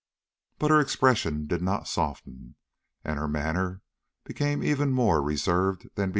But her expression did not soften, and her manner became even more reserved than before.